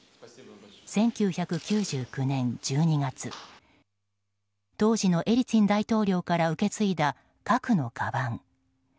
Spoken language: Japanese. １９９９年１２月当時のエリツィン大統領から受け継いだ核のかばん。